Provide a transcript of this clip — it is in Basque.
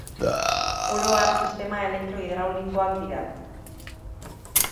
Oro har sistema elektro-hidraulikoak dira.